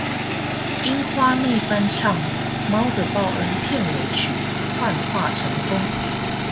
樱花妹翻唱《猫的报恩》片尾曲《幻化成风》